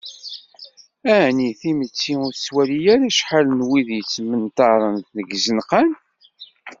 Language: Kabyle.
Ɛni timetti ur tettwali ara acḥal n wid i yettmenṭaren deg yizenqan,?